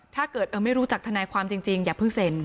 ถ้าเกิดไม่รู้จักทนายความจริงอย่าเพิ่งเซ็น